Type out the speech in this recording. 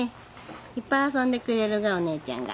いっぱい遊んでくれるがおねえちゃんが。